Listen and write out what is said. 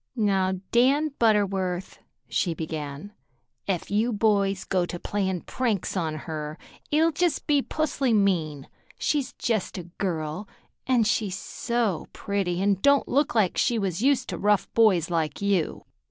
"Now, Dan Butterworth," she began, "ef you boys go to playin' pranks on her, it'll be just pusly mean. She's jest a girl, an' she's so pretty an' don't look like she was used to rough boys like you."